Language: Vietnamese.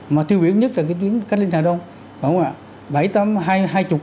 mà tiêu biểu nhất là cái chuyến cát linh hà đông phải không ạ